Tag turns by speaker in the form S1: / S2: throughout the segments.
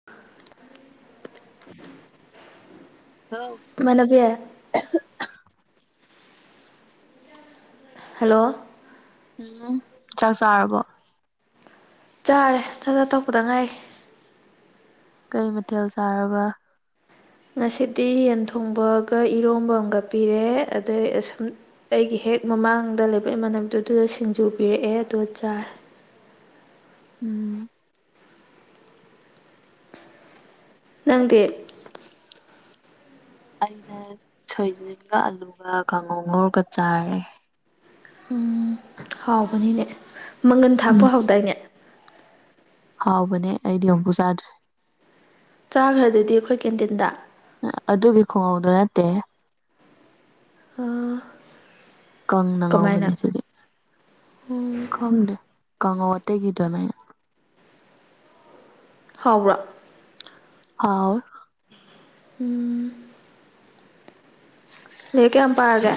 S1: ꯍꯥ
S2: ꯍꯥꯎ
S1: ꯃꯅ ꯀ ꯍꯜꯂꯣ
S2: ꯎꯝ ꯆꯥꯛ ꯆꯥꯔꯕꯣ
S1: ꯆꯥꯔꯦ ꯊꯗ ꯊꯛꯄꯗ ꯉꯥꯏ
S2: ꯀꯩ ꯃꯊꯦꯜ ꯆꯥꯔꯕ
S1: ꯉꯁꯤꯗꯤ ꯌꯦꯟ ꯊꯣꯡꯕꯒ ꯏꯔꯣꯝꯕ ꯑꯃꯒ ꯄꯤꯔꯦ ꯑꯗꯩꯨꯝ ꯑꯩꯒꯤ ꯍꯦꯛ ꯃꯃꯥꯡꯗ ꯂꯩꯕ ꯏꯃꯥꯟꯅꯅꯕꯗꯨ ꯑꯗꯨꯗ ꯁꯤꯡꯖꯨ ꯄꯤꯔꯛꯑꯦ ꯑꯗ ꯆꯥꯏ
S2: ꯎꯝ
S1: ꯅꯪꯗꯤ
S2: ꯑꯩꯅ ꯁꯣꯏꯖꯤꯟꯒ ꯑꯂꯨꯒ ꯀꯥꯡꯉꯣ ꯉꯧꯔꯒ ꯆꯥꯔꯦ
S1: ꯎꯝ ꯍꯥꯎꯕꯅꯤꯅꯦ ꯃꯪꯒꯟ
S2: ꯎꯝ
S1: ꯊꯥꯛꯄ ꯍꯥꯎꯗꯥꯏꯅꯦ
S2: ꯍꯥꯎꯕꯅꯦ ꯑꯩꯗꯤ ꯑꯃꯨꯛꯨ ꯆꯥꯗ꯭ꯔꯦ
S1: ꯆꯥꯈ꯭ꯔꯦ ꯑꯗꯨꯗꯤ ꯑꯩꯈꯣꯏ ꯀꯦꯟꯇꯤꯟꯗ
S2: ꯑꯗꯨꯒꯤ ꯈꯨꯡꯎꯧꯗꯨ ꯅꯠꯇꯦ
S1: ꯑꯥ
S2: ꯀꯪꯅ ꯉꯧꯕꯅꯦ ꯑꯗꯨꯗꯤ
S1: ꯎꯝ
S2: ꯀꯪꯗꯦ ꯀꯪꯉꯧ ꯑꯇꯩꯒꯤ ꯑꯗꯨꯃꯥꯏꯅ
S1: ꯍꯥꯎꯔꯥ
S2: ꯑꯥꯎ
S1: ꯎꯝ ꯅ ꯀꯦ ꯌꯥꯝ ꯄꯥꯔꯒꯦ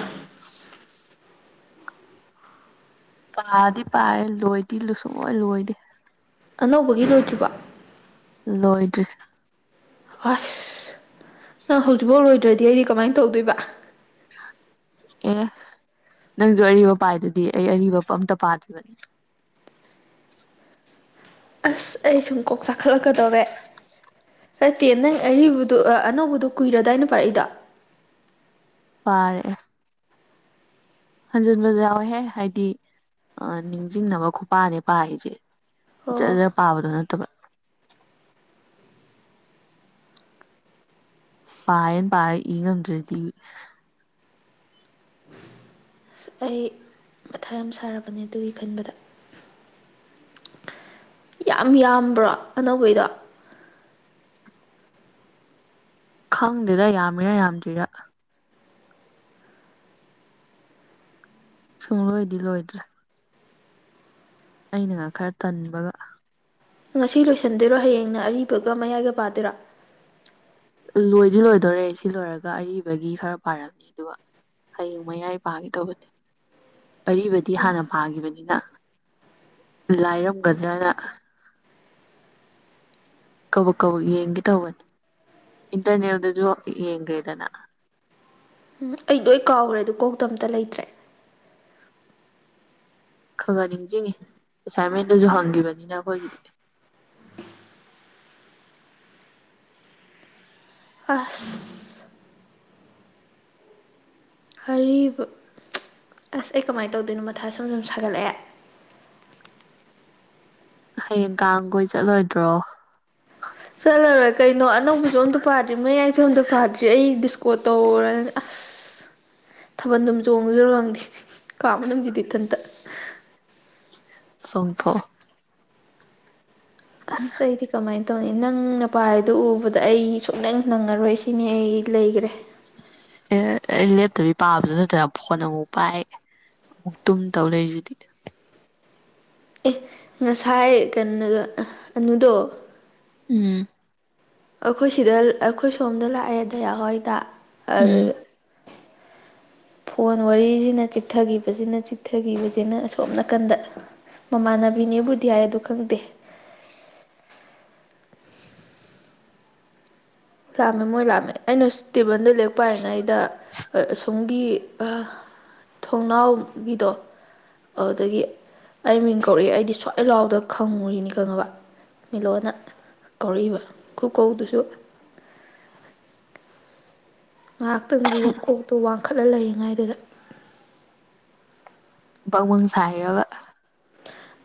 S2: ꯄꯥꯔꯗꯤ ꯄꯥꯔꯦ ꯂꯣꯏꯗꯤ ꯂꯨꯁꯨꯡꯑꯣꯣꯏ ꯂꯣꯏꯗꯦ
S1: ꯑꯅꯧꯕꯒꯤ ꯂꯣꯏꯗ꯭ꯔꯤꯕ
S2: ꯂꯣꯏꯗ꯭ꯔꯤ
S1: ꯑꯁ ꯅ ꯍꯧꯖꯤꯛꯐꯥꯎ ꯂꯣꯏꯗ꯭ꯔꯗꯤ ꯑꯩꯗꯤ ꯀꯃꯥꯏꯅ ꯇꯧꯗꯣꯏꯕ
S2: ꯑꯦ ꯅꯪꯁꯨ ꯑꯔꯤꯕ ꯄꯥꯏꯗꯨꯗꯤ ꯑꯩ ꯑꯔꯤꯕ ꯑꯝꯇ ꯄꯥꯗ꯭ꯔꯤꯕꯅꯦ
S1: ꯑꯁ ꯑꯩ ꯁꯨꯝ ꯀꯣꯛ ꯆꯥꯈꯠꯂꯛꯀꯗꯧꯔꯦ ꯅꯠꯇꯦ ꯅꯪ ꯑꯔꯤꯕꯗꯨꯣ ꯑꯅꯧꯕꯗꯨꯣ ꯀꯨꯏꯔꯗꯥꯏꯅ ꯄꯥꯔꯛꯏꯗꯣ
S2: ꯄꯥꯔꯛꯦ ꯍꯟꯖꯤꯟꯕꯁꯨ ꯌꯥꯎꯋꯦꯍꯦ ꯍꯥꯏꯗꯤ ꯅꯤꯡꯁꯤꯡꯅꯕ ꯈꯨꯄꯥꯅꯦ ꯄꯥꯔꯤꯁꯦ ꯖꯔ
S1: ꯑꯣ
S2: ꯖꯔ ꯄꯥꯕꯗꯣ ꯅꯠꯇꯕ ꯄꯥꯟ ꯄ ꯏ ꯉꯗꯤ
S1: ꯑꯩ ꯈ ꯌꯥꯝ ꯁꯥꯔꯛꯄꯅꯦ ꯑꯗꯨꯒꯤ ꯈꯟꯕꯗ ꯌꯥꯝ ꯌꯥꯝꯕ꯭ꯔꯣ ꯑꯅꯧꯕꯩꯗꯣ
S2: ꯈꯪꯗꯦꯗ ꯌꯥꯝꯃꯤꯔꯥ ꯌꯥꯝꯗ꯭ꯔꯤꯔꯥ ꯁꯨꯡꯂꯣꯏꯗꯤ ꯂꯣꯏꯗ꯭ꯔꯦ ꯑꯩꯅꯒ ꯈꯔ ꯇꯟꯕꯒ
S1: ꯉꯁꯤ ꯂꯣꯏꯁꯤꯟꯗꯣꯏꯔꯣ ꯍꯌꯦꯡꯅ ꯑꯔꯤꯕꯒ ꯃꯌꯥꯏꯒ ꯄꯥꯗꯣꯏꯔꯥ
S2: ꯂꯣꯏꯗꯤ ꯂꯣꯏꯗꯣꯔꯦ ꯁꯤ ꯂꯣꯏꯔꯒ ꯑꯔꯤꯕꯒꯤ ꯈꯔ ꯄꯥꯔꯝꯅꯤ ꯑꯗꯨꯒ ꯍꯌꯦꯡ ꯃꯌꯥꯏ ꯄꯥꯈꯤꯗꯧꯕꯅꯦ ꯑꯔꯤꯕꯗꯤ
S1: ꯋꯥ
S2: ꯍꯥꯟꯅ ꯄꯥꯈꯤꯕꯅꯤꯅ ꯂꯥꯏꯔꯝꯒꯗ꯭ꯔꯅ ꯀꯧꯕ ꯀꯧꯕ ꯌꯦꯡꯒꯦ ꯇꯧꯕꯅꯤ ꯏꯟꯇꯔꯅꯦꯜꯗꯁꯨ ꯌꯦꯡꯈ꯭ꯔꯦꯗꯅ
S1: ꯎꯝ ꯑꯩ ꯂꯣꯏ ꯀꯥꯎꯈ꯭ꯔꯦ ꯑꯗꯨ ꯀꯧꯇꯝꯇ ꯂꯩꯇ꯭ꯔꯦ
S2: ꯈꯪꯍꯟ ꯅꯤꯡꯁꯤꯡꯉꯤ ꯑꯦꯁꯥꯏꯟꯃꯦꯟꯗꯨꯁꯨ ꯍꯪꯈꯤꯕꯅꯤꯅ ꯑꯩꯈꯣꯏꯒꯤꯗꯤꯗꯤ
S1: ꯑꯁ ꯑ ꯑꯁ ꯑꯩ ꯀꯃꯥꯏꯅ ꯇꯧꯗꯣꯏꯅꯣ ꯃꯊꯥ ꯁꯣꯝ ꯁꯨꯝ ꯁꯥꯒꯠꯂꯛꯑꯦ
S2: ꯍꯌꯦꯡ ꯀꯥꯡꯈꯣꯏ ꯆꯠꯂꯣꯏꯗ꯭ꯔꯣ
S1: ꯆꯜꯂꯔꯣꯏ ꯀꯩꯅꯣ ꯑꯅꯧꯕꯁꯨ ꯑꯝꯇ ꯄꯥꯗ꯭ꯔꯤ ꯃꯌꯥꯏꯁꯨ ꯑꯝꯇ ꯄꯥꯗ꯭ꯔꯤ ꯑꯩ ꯗꯤꯁꯀꯣꯠ ꯇꯧꯔꯅꯤ ꯑꯁ ꯑꯁ ꯊꯥꯕꯜꯗꯨꯝ ꯆꯣꯡꯉꯨꯁꯨꯔꯣ ꯈꯪꯗꯦ ꯀꯥ ꯃꯅꯨꯡꯁꯤꯗꯤ ꯏꯊꯟꯇ
S2: ꯁꯨꯡꯄꯣ
S1: ꯁꯗꯤ ꯀꯃꯥꯏꯅ ꯇꯧꯅꯤ ꯅꯪ ꯅꯄꯥ ꯍꯥꯏꯗꯣ ꯎꯕꯗ ꯑꯩ ꯁꯨꯡ ꯅꯪ ꯅꯪꯉꯔꯣꯏ ꯁꯤꯅꯤ ꯑꯩ ꯂꯩꯈ꯭ꯔꯦ
S2: ꯑꯦ ꯑꯩ ꯂꯦꯞꯇꯕꯤ ꯄꯥꯕꯗꯨ ꯅꯠꯇꯅ ꯐꯣꯟ ꯑꯃꯨꯛ ꯄꯥꯏ ꯃꯛꯇꯨꯝ ꯇꯧ ꯂꯩꯖꯗꯤ
S1: ꯑꯦ ꯉꯁꯥꯏ ꯀꯩꯅꯣꯗꯣ ꯑꯅꯨꯗꯣ
S2: ꯎꯝ
S1: ꯑꯩꯈꯣꯏ ꯁꯤꯗ ꯑꯩꯈꯣꯏ ꯁꯣꯝꯗ ꯂꯥꯛꯑꯦꯗ ꯍꯏꯗ ꯑꯗ
S2: ꯎꯝ
S1: ꯐꯣꯟ ꯋꯥꯔꯤꯁꯤꯅ ꯆꯤꯛꯊꯈꯤꯕꯁꯤꯅ ꯆꯤꯛꯊꯈꯤꯕꯁꯤꯅ ꯑꯁꯣꯝ ꯅꯥꯀꯟꯗ ꯃꯃꯥꯟꯅꯕꯤꯅꯦꯕꯨꯗꯤ ꯍꯥꯏꯏ ꯑꯗꯨ ꯈꯪꯗꯦ ꯂꯥꯝꯃꯦ ꯃꯣꯏ ꯂꯥꯑꯃꯦ ꯑꯩꯅ ꯏꯁꯇꯦꯕꯜꯗ ꯂꯦꯛ ꯄꯥꯏꯉꯩꯗ ꯑꯁꯣꯝꯒꯤ ꯊꯣꯡꯅꯥꯎꯒꯤꯗꯣ ꯑꯗꯨꯗꯒꯤ ꯑꯩ ꯃꯤꯡ ꯀꯧꯔꯛꯏꯦ ꯑꯩꯗꯤ ꯁ꯭ꯋꯥꯏ ꯂꯥꯎꯗ ꯈꯪꯉꯨꯔꯤꯅꯤ ꯈꯪꯉꯕ ꯃꯤꯂꯣꯟꯅ ꯀꯧꯔꯛꯏꯕ ꯈꯨꯀꯧꯗꯨꯁꯨ ꯉꯥꯏꯍꯥꯛꯇꯪꯗꯨꯗ ꯀꯣꯛꯇꯣ ꯋꯥꯡꯈꯠꯂ ꯂꯩꯔꯤꯉꯥꯏꯗꯨꯗ
S2: ꯄꯋꯪ ꯁꯥꯏꯔꯒ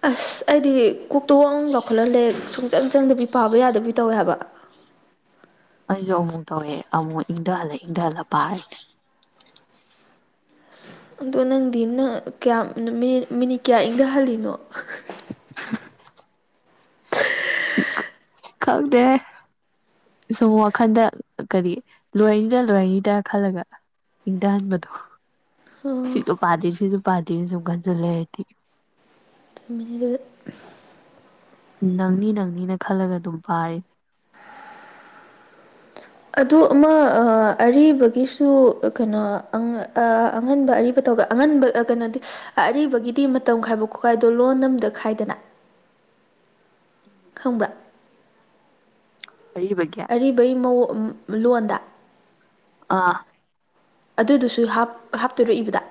S1: ꯑꯁ ꯑꯩꯗꯤ ꯀꯣꯛꯇꯣ ꯂꯧꯈꯠꯍꯜꯂꯦ ꯁꯨꯡꯆꯪ ꯆꯪꯗꯕꯤ ꯄꯥꯕ ꯌꯥꯗꯕꯤ ꯇꯧꯋꯦ ꯍꯥꯏꯕ
S2: ꯑꯩꯁꯨ ꯑꯃꯨꯛ ꯇꯧꯋꯦ ꯑꯃꯨꯛ ꯏꯪꯊꯍꯜꯂꯦ ꯏꯪꯊꯍꯜꯂ ꯄꯥꯔꯦ
S1: ꯑꯗꯣ ꯅꯪꯗꯤꯪ ꯀꯌꯥꯝ ꯃꯤ ꯃꯤꯅꯤꯠ ꯀꯌꯥ ꯏꯪꯊꯍꯜꯂꯤꯅꯣ
S2: ꯈꯪꯗ ꯁꯨꯝ ꯋꯥꯈꯟꯗ ꯀꯔꯤ ꯂꯣꯏꯔꯅꯤꯗ ꯂꯣꯏꯔꯅꯤꯗ ꯈꯜꯂꯒ ꯏꯪꯊꯍꯟꯕꯗꯣ
S1: ꯑꯣ
S2: ꯁꯤꯁꯨ ꯄꯥꯗꯦ ꯁꯤꯁꯨ ꯄꯥꯗꯦꯅ ꯁꯨꯝ ꯈꯟꯖꯤꯜꯂꯦ ꯍꯥꯏꯔꯗꯤ
S1: ꯃꯤꯒꯤ
S2: ꯅꯪꯅꯤ ꯅꯪꯅꯤꯅ ꯈꯜꯂꯒ ꯑꯗꯨꯝ ꯄꯥꯔꯤ
S1: ꯑꯗꯨ ꯑꯃ ꯑꯔꯤꯕꯒꯤꯁꯨ ꯀꯩꯅꯣ ꯑꯉꯟꯕ ꯑꯔꯤꯕ ꯇ ꯑꯉꯟꯕ ꯀꯩꯅꯣꯗꯤ ꯑꯔꯤꯕꯒꯤꯗꯤ ꯃꯇꯝ ꯈꯥꯏꯕ ꯈꯣꯠꯈꯥꯏꯗꯣ ꯂꯣꯟ ꯑꯃꯝꯗ ꯈꯥꯏꯗꯅ [inaudible]
S2: ꯎꯝ
S1: ꯈꯪꯕ꯭ꯔꯥ
S2: ꯀꯕꯦ
S1: ꯑꯔꯤꯕꯩ ꯃꯑꯣꯡ ꯂꯣꯟꯗ
S2: ꯑꯥ
S1: ꯑꯗꯨꯗꯨꯁꯨ ꯍꯥꯞ ꯍꯥꯞꯇꯔꯛꯏꯕꯗ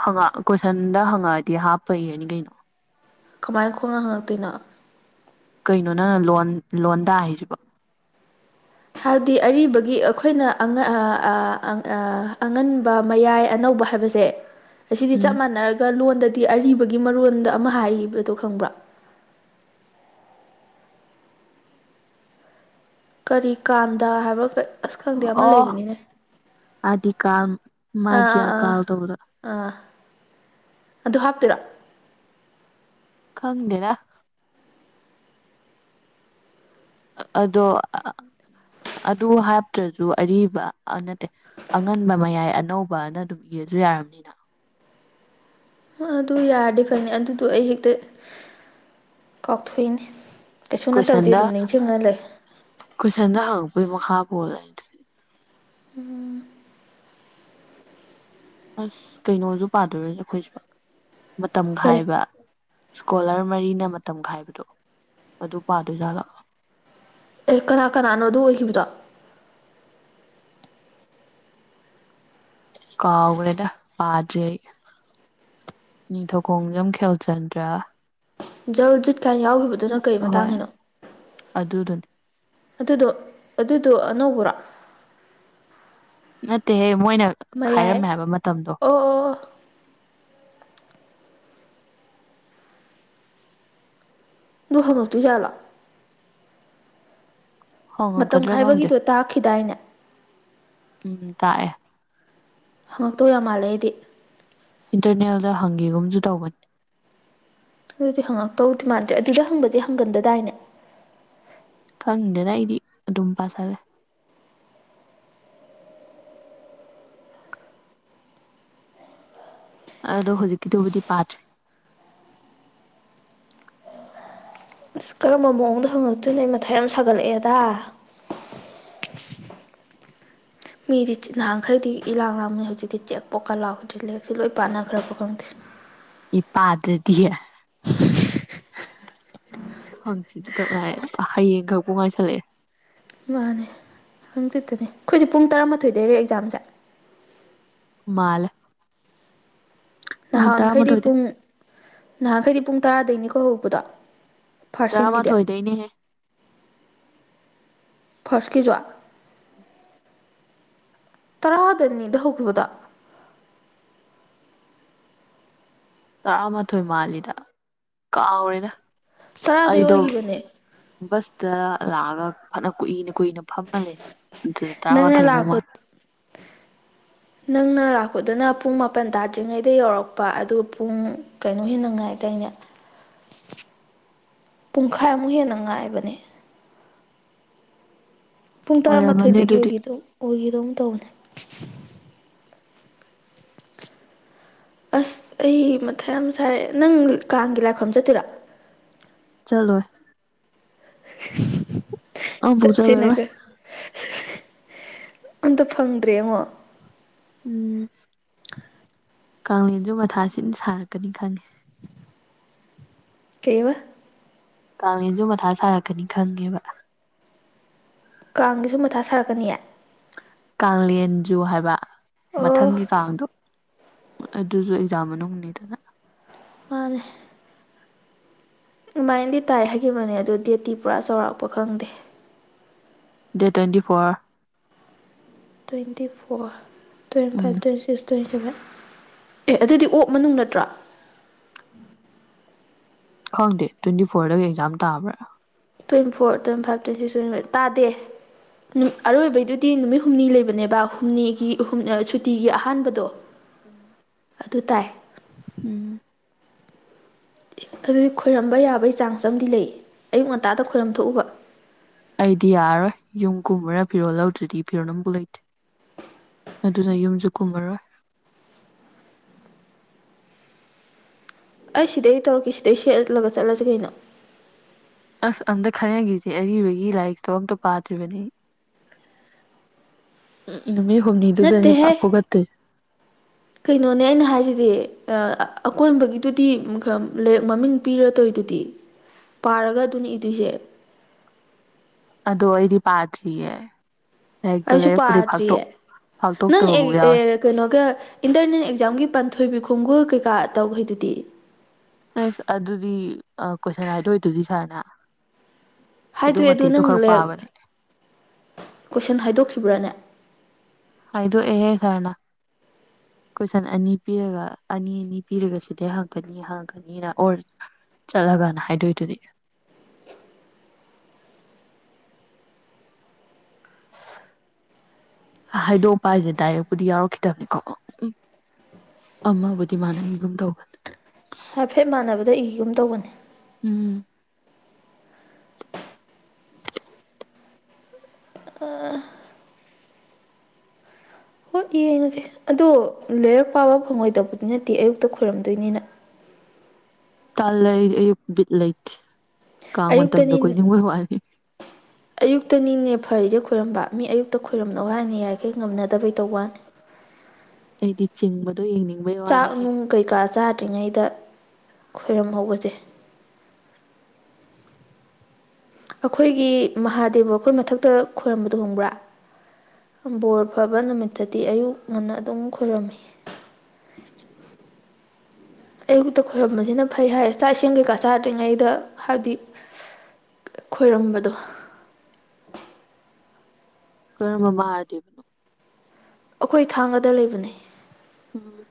S2: ꯍꯪꯛ ꯀꯣꯏꯁꯟꯗ ꯍꯪꯉꯛꯑꯗꯤ ꯍꯥꯞꯄ ꯏꯔꯅꯤ ꯀꯩꯅꯣ
S1: ꯀꯃꯥꯏꯅ ꯈꯣꯡꯅ ꯍꯪꯉꯛꯇꯣꯏꯅꯣ
S2: ꯀꯩꯅꯣ ꯅꯪ ꯂꯣꯟ ꯂꯣꯟ ꯇꯥ ꯍꯥꯏꯁꯤꯕꯣ
S1: ꯍꯥꯏꯕꯗꯤ ꯑꯔꯤꯕꯒꯤ ꯑꯩꯈꯣꯏꯅ ꯑꯉꯟꯕ ꯃꯌꯥꯏ ꯑꯅꯧꯕ ꯍꯥꯏꯕꯁꯦ ꯑꯁꯤꯗꯤ ꯆꯞ
S2: ꯎꯝ
S1: ꯃꯥꯟꯅꯔꯒ ꯂꯣꯟꯗꯗꯤ ꯑꯔꯤꯕꯒꯤ ꯃꯔꯣꯟꯗ ꯑꯃ ꯍꯥꯏꯔꯤꯕꯗꯣ ꯈꯪꯕ꯭ꯔꯥ ꯀꯔꯤ ꯀꯥꯟꯗ ꯍꯥꯏꯕꯒ ꯑꯁ ꯈꯪꯗꯦ ꯑꯃ
S2: ꯑꯣ
S1: ꯂꯩꯕꯅꯤꯅꯦ
S2: ꯑꯥꯗꯤꯀꯥꯜ
S1: ꯑꯥ ꯑꯥ
S2: ꯃꯥꯗꯤꯌꯥ
S1: ꯑꯥ
S2: ꯀꯥꯜ ꯇꯧꯕꯗꯣ
S1: ꯑꯥ ꯑꯗꯨ ꯍꯥꯞꯇꯣꯏꯔꯣ
S2: ꯈꯪꯗꯦꯔ ꯑꯗꯣ ꯑꯗꯨ ꯍꯥꯞꯇ꯭ꯔꯁꯨ ꯑꯔꯤꯕ ꯅꯠꯇꯦ ꯑꯉꯟꯕ ꯃꯌꯥꯏ ꯑꯅꯧꯕꯅ ꯑꯗꯨꯝ ꯏꯁꯨ ꯌꯥꯔꯕꯅꯤꯅ
S1: ꯑꯗꯨ ꯌꯥꯔꯗꯤ ꯐꯅꯤ ꯑꯗꯨꯗꯣ ꯑꯩ ꯍꯦꯛꯇ ꯀꯥꯎꯊꯣꯛꯏꯅꯤ
S2: ꯀꯣꯏꯁꯟꯗ ꯀꯣꯏꯁꯟꯗ ꯍꯪꯉꯛꯄꯒꯤ ꯃꯈꯥ ꯄꯣꯂ ꯑꯩꯅ
S1: ꯎꯝ
S2: ꯑꯁ ꯀꯩꯅꯣꯁꯨ ꯄꯥꯗꯣꯔꯁꯦ ꯑꯩꯈꯣꯏꯁꯨ ꯃꯇꯝ
S1: ꯀꯔꯤ
S2: ꯈꯥꯏꯕ ꯏꯁꯀꯣꯂꯔ ꯃꯔꯤꯅ ꯃꯇꯝ ꯈꯥꯏꯕꯗꯣ ꯑꯗꯨꯗꯨ ꯄꯥꯗꯣꯏꯖꯥꯠꯂꯣ
S1: ꯑꯦ ꯀꯅꯥ ꯀꯅꯥꯅꯣ ꯑꯗꯨ ꯑꯣꯏꯈꯤꯕꯗꯣ
S2: ꯀꯥꯎꯅ ꯄꯥꯖ ꯅꯤꯡꯊꯧ ꯈꯣꯡꯖꯝ ꯈꯦꯜꯆꯟꯗ꯭ꯔ
S1: ꯖꯜ ꯖꯤꯠ ꯀꯥꯏꯅ ꯌꯥꯎꯈꯤꯕꯗꯨꯅ ꯀꯩ ꯃꯇꯥꯡꯒꯤꯅꯣ
S2: ꯑꯗꯨꯗꯅꯤ
S1: ꯑꯗꯨꯗꯣ ꯑꯗꯨꯗꯣ ꯑꯅꯧꯕꯔꯣ
S2: ꯅꯠꯇꯦꯍꯦ ꯃꯣꯏꯅ
S1: ꯃꯌꯥꯏ
S2: ꯈꯥꯏꯔꯝꯃꯦ ꯍꯥꯏꯕ ꯃꯇꯝꯗꯣ
S1: ꯑꯣ ꯑꯣ ꯑꯣ ꯑꯗꯨꯣ ꯍꯪꯉꯂꯛꯇꯣꯏꯖꯥꯠꯂꯥ ꯃꯇꯝ
S2: ꯍꯪꯉꯛꯀꯗ꯭ꯔꯥ ꯈꯪꯗꯦ
S1: ꯈꯥꯏꯕꯒꯤꯗꯣ ꯇꯥꯛꯈꯤꯗꯥꯏꯅꯦ
S2: ꯎꯝ ꯇꯥꯛꯑꯦ
S1: ꯍꯪꯉꯛꯇꯧ ꯌꯥꯝ ꯃꯥꯜꯂꯦ ꯑꯩꯗꯤ
S2: ꯏꯟꯇꯔꯅꯦꯜꯗ ꯍꯪꯒꯦꯒꯨꯝꯁꯨ ꯇꯧꯕꯅꯤ
S1: ꯑꯗꯨꯗꯤ ꯍꯪꯉꯛꯇꯧꯗꯤ ꯃꯥꯟꯗ꯭ꯔꯦ ꯑꯗꯨꯗ ꯍꯪꯕꯁꯦ ꯍꯪꯒꯟꯗꯗꯥꯏꯅꯦ
S2: ꯈꯪꯗꯦꯅ ꯑꯩꯗꯤ ꯑꯗꯨꯝ ꯄꯥꯖꯔꯦ ꯑꯗꯣ ꯍꯧꯖꯤꯛꯀꯤꯗꯨꯕꯨꯗꯤ ꯄꯥꯗ꯭ꯔꯦ
S1: ꯑꯁ ꯀꯔꯝꯕ ꯃꯑꯣꯡꯗ ꯍꯪꯉꯛꯇꯣꯏꯅꯣ ꯑꯩ ꯃꯊꯥꯏ ꯌꯥꯝ ꯁꯥꯒꯠꯂꯛꯑꯦꯗ ꯃꯤꯗꯤ ꯅꯍꯥꯟ ꯈꯔꯗꯤ ꯏꯂꯥꯡ ꯂꯥꯡꯅꯤ ꯍꯧꯖꯤꯛꯇꯤ ꯆꯦꯛ ꯄꯣꯛꯀ ꯂꯥꯎ ꯂꯦꯛꯁꯦ ꯂꯣꯏ ꯄꯥꯟꯅꯈ꯭ꯔꯕ ꯈꯪꯗꯦ
S2: ꯏ ꯄꯥꯗꯗꯤꯌꯦ ꯍꯪꯆꯤꯗꯤ ꯀꯛ ꯂꯥꯛꯑꯦ ꯍꯌꯦꯡ ꯈꯛ ꯄ ꯉꯥꯏꯁꯜꯂꯛꯑꯦ
S1: ꯃꯥꯅꯦ ꯍꯪꯆꯤꯠꯇꯅꯦ ꯑꯩꯈꯣꯏꯁꯦ ꯄꯨꯡ ꯇꯔꯥꯃꯥꯊꯣꯏꯗꯩꯔ ꯑꯦꯛꯖꯥꯝꯁꯦ
S2: ꯃꯥꯜ
S1: ꯅꯍꯥꯟꯈꯩꯗꯤ
S2: ꯇꯔꯥꯃꯥꯊꯣꯏꯗꯩ
S1: ꯄꯨꯡ ꯅꯍꯥꯟꯈꯩꯗꯤ ꯄꯨꯡ ꯇꯔꯥꯗꯩꯅꯤꯀꯣ ꯍꯧꯕꯗ
S2: ꯇꯔꯥꯃꯥꯊꯣꯏꯗꯩꯅꯦꯍꯦ
S1: ꯐꯥꯔꯁꯀꯤꯖꯣ ꯇꯔꯥꯗꯅꯤꯗ ꯍꯧꯈꯤꯕꯗ
S2: ꯇꯔꯥꯃꯥꯊꯣꯏ ꯃꯥꯜꯂꯤꯗ ꯀꯥꯎꯎꯔꯦꯅ
S1: ꯇꯔꯥꯗꯩ
S2: ꯑꯩꯗꯣ
S1: ꯑꯣꯏꯈꯤꯕꯅꯦ
S2: ꯕꯁꯇ ꯂꯥꯛꯑꯒ ꯐꯅ ꯀꯨꯏꯅ ꯀꯨꯏꯅ ꯐꯝꯃ ꯂꯩ ꯑꯗꯨꯗ
S1: ꯅꯪꯅ
S2: ꯇꯔꯥꯃꯥꯊꯣꯏꯃꯨꯛ
S1: ꯂꯥꯛꯄ
S2: ꯃꯥꯦ
S1: ꯅꯪꯅ ꯂꯥꯛꯄꯗꯨꯅ ꯄꯨꯡ ꯃꯥꯄꯟ ꯇꯥꯗ꯭ꯔꯤꯉꯩꯗ ꯌꯧꯔꯛꯄ ꯑꯗꯨ ꯄꯨꯡ ꯀꯩꯅꯣ ꯍꯦꯟꯅ ꯉꯥꯏ ꯇꯣꯏꯅꯦ ꯄꯨꯡꯈꯥꯏꯃꯨꯛ ꯍꯦꯟꯅ ꯉꯥꯏꯕꯅꯦ ꯄꯨꯡ
S2: ꯑꯣꯏꯔꯝꯃꯅꯤ
S1: ꯇꯔꯥꯃꯥꯊꯣꯏꯗꯒꯤ
S2: ꯑꯗꯨꯗꯤ
S1: ꯑꯣꯏꯈꯤꯗ ꯑꯣꯏꯈꯤꯗꯧꯅ ꯇꯧꯅꯦ ꯑꯁ ꯑꯩ ꯃꯊ ꯌꯥꯝ ꯁꯥꯔꯛꯑꯦ ꯅꯪ ꯀꯥꯡꯒꯤ ꯂꯥꯏꯐꯝ ꯆꯠꯇꯣꯏꯔꯥ
S2: ꯆꯠꯂꯣꯏ ꯑꯃꯨꯛꯐꯥꯎ
S1: ꯆꯆ
S2: ꯆꯠꯂꯔꯣꯏ
S1: ꯅꯒꯔ ꯑꯝꯇ ꯐꯪꯗ꯭ꯔꯦ ꯌꯦꯉꯣ
S2: ꯎꯝ ꯀꯦꯟꯁꯨ ꯃꯊꯥ ꯁꯤꯅ ꯁꯥꯔꯛꯀꯅꯤ ꯈꯪꯉꯦ
S1: ꯀꯩꯕ
S2: ꯀꯦꯟꯁꯨ ꯃꯊꯥ ꯁꯥꯔꯛꯀꯅꯤ ꯈꯪꯉꯦꯕ
S1: ꯀꯥꯡꯒꯤꯁꯨ ꯃꯊꯥ ꯁꯥꯔꯛꯀꯅꯤꯌꯦ
S2: ꯀꯂꯦꯟ ꯖꯨ ꯍꯥꯏꯕ
S1: ꯑꯣ
S2: ꯃꯊꯪꯒꯤ ꯀꯥꯡꯗꯣ ꯑꯗꯨꯁꯨ ꯑꯦꯛꯖꯥꯝ ꯃꯅꯨꯡꯅꯤꯗꯅ
S1: ꯃꯥꯅꯦ ꯑꯗꯨꯃꯥꯏꯅꯗꯤ ꯇꯥꯏ ꯍꯥꯏꯈꯤꯕꯅꯦ ꯑꯗꯨꯣ ꯗꯦꯠꯇꯤ ꯄꯨꯔꯥ ꯆꯥꯎꯔꯥꯛꯄ ꯈꯪꯗꯦ
S2: date twenty four
S1: twenty four twenty five
S2: um
S1: twenty six twenty seven ꯑꯦ ꯑꯗꯨꯗꯤ ꯑꯣꯛ ꯃꯅꯨꯡ ꯅꯠꯇ꯭ꯔꯣ
S2: ꯈꯪꯗꯦ ꯇ꯭ꯋꯦꯟꯇꯤ ꯐꯣꯔꯗꯒꯤ ꯑꯦꯛꯖꯥꯝ ꯇꯥꯕ꯭ꯔꯥ
S1: twenty four twenty five twenty ꯇ꯭ꯋꯦꯟꯃꯤꯠ ꯇꯥꯦ ꯅꯨꯠ ꯑꯔꯣꯏꯕꯩꯗꯨꯗꯤ ꯅꯨꯃꯤꯠ ꯍꯨꯝꯅꯤ ꯂꯩꯕꯅꯦꯕ ꯍꯨꯝꯅꯤꯒꯤꯨꯝ ꯁꯨꯇꯤꯒꯤ ꯑꯍꯥꯟꯕꯗꯣ
S2: ꯎꯝ
S1: ꯑꯗꯨ ꯇꯥꯏ
S2: ꯎꯝ
S1: ꯑꯗꯨꯗꯤ ꯈꯣꯏꯔꯝꯕ ꯌꯥꯕꯒꯤ ꯆꯥꯡꯁ ꯑꯃꯗꯤ ꯂꯩ ꯑꯌꯨꯛ ꯉꯟꯇꯥꯗ ꯈꯣꯏꯔꯝ ꯊꯣꯛꯣꯛꯎꯕ
S2: ꯑꯩꯗꯤ ꯌꯥꯔꯔꯣꯏ ꯌꯨꯝ ꯀꯨꯝꯃꯨꯔꯒꯥ ꯐꯤꯔꯣꯜ ꯂꯧꯗ꯭ꯔꯗꯤ ꯐꯤꯔꯣꯜ ꯑꯃꯝꯐꯛ ꯂꯩꯇꯦ ꯑꯗꯨꯅ ꯌꯨꯝꯁꯨ ꯀꯨꯝꯃꯔꯣꯏ
S1: ꯑꯩ ꯁꯤꯗꯩ ꯇꯧꯔꯛꯀꯦ ꯁꯤꯗꯩ ꯁꯦꯠꯂꯒ ꯆꯠꯂꯁꯤ ꯀꯩꯅꯣ
S2: ꯑꯁ ꯑꯝꯇ ꯈꯟ ꯅꯥꯈꯤꯁꯦ ꯑꯔꯤꯕꯒꯤ ꯂꯥꯏꯔꯤꯛꯇꯣ ꯑꯝꯇ ꯄꯥꯗ꯭ꯔꯤꯕꯅꯤ
S1: ꯑ [inaudible]
S2: ꯎꯝ ꯅꯨꯃꯤꯠ ꯍꯨꯝꯅꯤꯗꯨꯗꯅꯤ ꯄ ꯐꯨꯒꯠꯇꯣꯏꯦ
S1: ꯀꯩꯅꯣꯅꯦ ꯑꯩꯅ ꯍꯥꯏꯁꯤꯗꯤ ꯑꯀꯣꯟꯕꯒꯤꯗꯨꯗꯤ ꯃꯃꯤꯡ ꯄꯤꯔꯗꯣꯏꯗꯨꯗꯤ ꯄꯥꯔꯒ ꯑꯗꯨꯅꯤ ꯏꯗꯣꯏꯁꯦ
S2: ꯑꯗꯣ ꯑꯩꯗꯤ ꯄꯥꯗ꯭ꯔꯤꯌꯦꯦ ꯂꯥꯏꯔꯤꯛꯇꯣ
S1: ꯑꯩꯁꯨ
S2: ꯂꯩꯔꯛꯄꯗꯤ ꯐꯥꯛꯇ
S1: ꯄꯥꯗ꯭ꯔꯤꯌꯦ ꯅꯪ
S2: ꯐꯥꯛꯇꯣꯛꯇꯕꯕꯨꯥꯎ ꯌꯥꯎꯋꯦ
S1: ꯀꯩꯅꯣꯒ ꯏꯟꯇꯔꯅꯦꯠ ꯑꯦꯛꯖꯥꯝꯒꯤ ꯄꯥꯟꯊꯣꯏꯕꯤ ꯈꯣꯡꯒꯨꯜ ꯀꯩꯀꯥ ꯇꯧꯈꯦꯗꯨꯗꯤ
S2: ꯑꯁ ꯑꯗꯨꯗꯤ ꯀꯣꯏꯁꯟ ꯍꯥꯏꯗꯣꯛ ꯑꯣꯏ ꯑꯗꯨꯗꯤ ꯁꯥꯔꯅ
S1: ꯍꯥꯏꯗꯣꯛꯑꯦ ꯑꯗꯨ
S2: ꯃꯇꯦꯛꯇꯨ
S1: ꯅꯪ
S2: ꯈꯛ ꯄꯥꯕꯅꯦ
S1: ꯀꯣꯏꯁꯟ ꯍꯥꯏꯗꯣꯛꯈꯤꯕ꯭ꯔꯥꯅꯦ
S2: ꯍꯥꯢꯗꯣꯛ ꯑꯦ ꯍꯦ ꯀꯣꯏꯁꯟ ꯑꯅꯤ ꯄꯤꯔꯒ ꯑꯅꯤ ꯑꯅꯤ ꯄꯤꯔꯒ ꯁꯤꯗꯩ ꯍꯪꯀꯅꯤ ꯍꯪꯀꯅꯤꯅ ꯑꯣꯔ ꯆꯠꯂꯒꯅ ꯍꯥꯏꯗꯣꯏꯗꯨꯗꯤ
S1: [inaudible]
S2: ꯍꯥꯏꯗꯣꯛꯄ ꯍꯥꯏꯁꯦ ꯗꯥꯏꯔꯦꯛꯄꯨꯗꯤ ꯌꯥꯎꯔꯛꯈꯤꯗꯕꯅꯤꯀꯣ ꯎꯝ ꯑꯃꯕꯨꯗꯤ ꯃꯥꯟꯅꯈꯤꯒꯨꯝ ꯇꯧꯕ
S1: ꯍꯥꯏꯐꯦꯠ ꯃꯥꯟꯅꯕꯗ ꯏꯒꯨꯝ ꯇꯧꯕꯅꯤ
S2: ꯎꯝ
S1: ꯍꯣꯏ ꯑꯗꯣ ꯂꯥꯏꯔꯤꯛ ꯄꯥꯕ ꯐꯪꯉꯣꯏꯗꯕꯗꯤ ꯅꯠꯇꯦ ꯑꯌꯨꯛꯇ ꯈꯣꯏꯔꯝꯗꯣꯏꯅꯤꯅ
S2: ꯀꯥꯜ ꯂꯩ ꯑꯌꯨꯛ ꯕꯤꯠ ꯂꯩꯇꯦ ꯀꯥꯡ ꯃꯇꯝꯗ
S1: ꯑꯌꯨꯛꯇꯅꯤ
S2: ꯀꯈꯣꯏ ꯅꯤꯡꯉꯣꯏ ꯋꯥꯠꯏ
S1: ꯑꯌꯨꯛꯇꯅꯤꯅꯦ ꯐꯔꯤꯁꯦ ꯈꯣꯏꯔꯝꯕ ꯃꯤ ꯑꯌꯨꯛꯇ ꯈꯣꯏꯔꯝꯂꯣ ꯍꯥꯏꯅ ꯌꯥꯏꯔꯤꯈꯩ ꯉꯝꯅꯗꯕꯩ ꯇꯧꯕꯅꯤ
S2: ꯑꯩꯗꯤ ꯆꯤꯡꯕꯗꯣ ꯌꯦꯡꯅꯤꯡꯕꯩ
S1: ꯆꯥꯛ
S2: ꯋꯥꯅꯤꯍꯦ
S1: ꯅꯨꯡ ꯀꯩꯀꯥ ꯆꯥꯗ꯭ꯔꯤꯉꯩꯗ ꯈꯣꯏꯔꯝꯍꯧꯕꯁꯦ ꯑꯩꯈꯣꯏꯒꯤ ꯃꯍꯥꯗꯦꯕ ꯑꯩꯈꯣꯏ ꯃꯊꯛꯇ ꯈꯣꯏꯔꯝꯕꯗꯨꯨ ꯈꯪꯕ꯭ꯔꯥ ꯕꯣꯔ ꯐꯕ ꯅꯨꯃꯤꯠꯇꯗꯤ ꯑꯌꯨꯛ ꯉꯟꯅ ꯑꯗꯨꯝ ꯈꯔꯝꯃꯤ ꯑꯌꯕꯨꯨꯛꯇ ꯈꯣꯏꯔꯝꯕꯁꯤꯅ ꯐꯩ ꯍꯥꯏ ꯆꯥꯛ ꯏꯁ ꯀꯩꯀꯥ ꯆꯥꯗ꯭ꯔꯤꯉꯩꯗ ꯍꯥꯏꯕꯗꯤ ꯈꯣꯏꯔꯝꯕꯗꯣ
S2: ꯀꯔꯝꯕꯥ ꯃꯍꯥꯗꯦꯕꯅꯣ
S1: ꯑꯩꯈꯣꯏ ꯊꯥꯡꯒꯗ ꯂꯩꯕꯅꯦ
S2: ꯎꯝ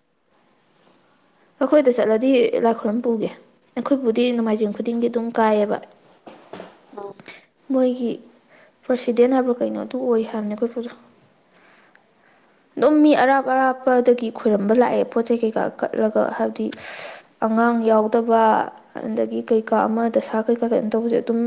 S1: ꯑꯩꯈꯣꯏꯗ ꯆꯠꯂꯗꯤ ꯂꯥꯏ ꯈꯨꯏꯔꯝꯕ ꯄꯨꯒꯦ ꯑꯩꯈꯣꯏꯕꯨꯗꯤ ꯅꯣꯡꯃꯥꯏꯖꯤꯡ ꯈꯨꯗꯤꯡꯒꯤ ꯑꯗꯨꯝ ꯀꯥꯏꯑꯕ
S2: ꯑꯣ
S1: ꯃꯣꯏꯒꯤ ꯄ꯭ꯔꯁꯤꯗꯦꯟ ꯍꯥꯏꯕ꯭ꯔꯥ ꯀꯩꯅꯣ ꯑꯗꯨ ꯑꯣꯏ ꯍꯥꯏꯕꯅꯦ ꯑꯩꯈꯣꯏ ꯄꯨꯗꯣ [inaudible] ꯑꯗꯨꯝ ꯃꯤ ꯑꯔꯥꯞ ꯑꯔꯥꯞꯄꯗꯒꯤ ꯈꯣꯏꯔꯝꯕ ꯂꯥꯛꯑꯦ ꯄꯣꯠ ꯆꯩ ꯀꯩꯀꯥ ꯀꯠꯂꯒ ꯍꯥꯏꯕꯗꯤ ꯑꯉꯥꯡ ꯌꯥꯎꯗꯕ ꯑꯗꯒꯤ ꯀꯩꯀꯥ ꯑꯃ ꯗꯁꯥ ꯀꯩꯀꯥ ꯀꯩꯅꯣ ꯇꯧꯕꯁꯦ ꯑꯗꯨꯝ